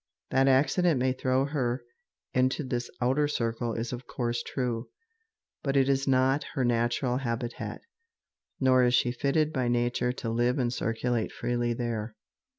That accident may throw her into this outer circle is of course true, but it is not her natural habitat, nor is she fitted by nature to live and circulate freely there.